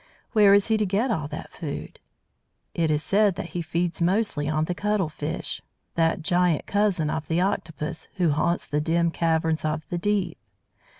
Where is he to get all that food? It is said that he feeds mostly on the Cuttle fish, that giant cousin of the Octopus, who haunts the dim caverns of the deep.